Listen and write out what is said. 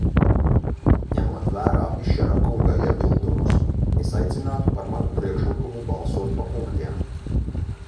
Ņemot vērā Bišera kunga iebildumus, es aicinātu par manu priekšlikumu balsot pa punktiem.